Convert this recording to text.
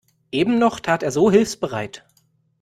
Eben noch tat er so hilfsbereit.